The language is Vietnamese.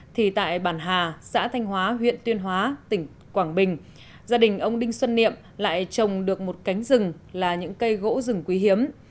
thì tại bản hà xã thanh hóa huyện tuyên hóa tỉnh quảng bình gia đình ông đinh xuân niệm lại trồng được một cánh rừng là những cây gỗ rừng quý hiếm